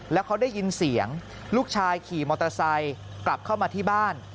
แล้วเขาได้ยินเสียงลูกชายขี่มอเตอร์ไซค์กลับเข้ามาที่บ้าน